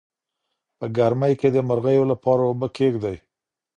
په ګرمۍ کې د مرغیو لپاره اوبه کیږدئ.